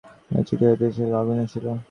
এই ভাবিয়া চিঠি-হাতে সে শয়নগৃহে আসিল।